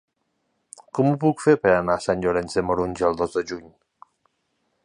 Com ho puc fer per anar a Sant Llorenç de Morunys el dos de juny?